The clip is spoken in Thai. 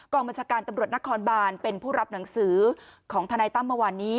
บัญชาการตำรวจนครบานเป็นผู้รับหนังสือของทนายตั้มเมื่อวานนี้